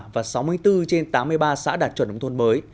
và sáu mươi bốn trên tám mươi ba xã đạt chuẩn nông thôn mới